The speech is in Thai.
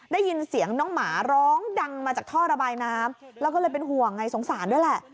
ได้ยินเสียงน้องหมาร้องดังมาจากท่อระบายน้ำแล้วก็เลยเป็นห่วงไงสงสารด้วยแหละ